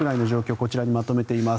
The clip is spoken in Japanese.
こちらにまとめています。